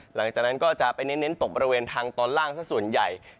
หลังจากนั้นก็จะไปเน้นตกบริเวณทางตอนล่างสักส่วนใหญ่